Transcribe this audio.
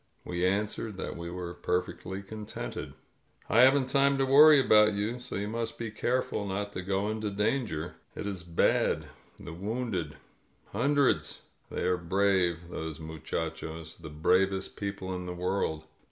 We answered that we were perfectly contented. "I haven't time to worry about you, so you must be careful not to go into danger. It is bad — the wounded. Hundreds. They are brave, those muchachos; the bravest people in the world.